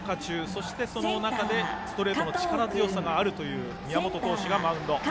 そして、その中でストレートの力強さがあるという宮本投手がマウンド。